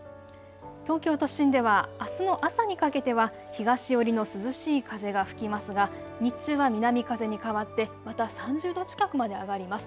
東京都心ではあすの朝にかけては東寄りの涼しい風が吹きますが、日中は南風に変わってまた３０度近くまで上がります。